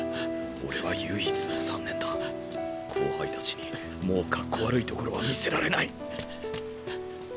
俺は唯一の３年だ後輩たちにもうかっこ悪いところは見せられない！